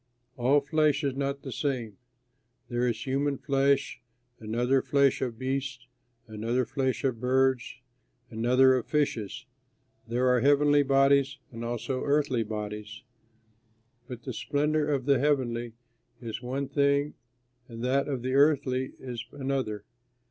All flesh is not the same; there is human flesh, another flesh of beasts, another flesh of birds, and another of fishes. There are heavenly bodies and also earthly bodies, but the splendor of the heavenly is one thing and that of the earthly is another.